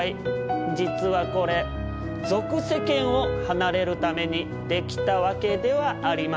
実はこれ俗世間を離れるために出来たわけではありません。